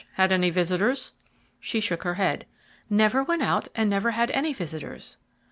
Had any visitors?" She shook her head. "Never went out and never had any visitors."